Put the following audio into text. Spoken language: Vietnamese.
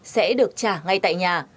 sẽ được trả ngay tại nhà